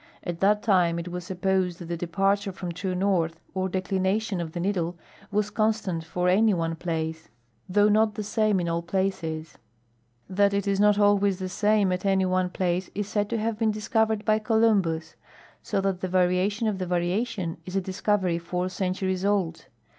At that time it was supposed that the departure from true north, or declination of the needle, was constant f<jr any one i>lace, thougli 82 GEOGRAPHIC LITERATURE not the same in all places. That it is not always the same at any one place is said to have been discovered by Columbus ; so that the variation of the variation is a discovery four centuries old.